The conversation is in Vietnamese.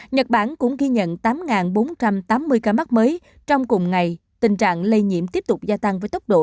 nhật bản cũng ghi nhận tám bốn trăm tám mươi ca mắc mới trong cùng ngày tình trạng lây nhiễm tiếp tục gia tăng với tốc độ